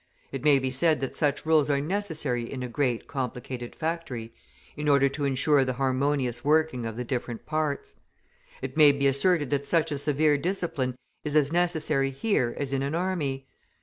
It may be said that such rules are necessary in a great, complicated factory, in order to insure the harmonious working of the different parts; it may be asserted that such a severe discipline is as necessary here as in an army.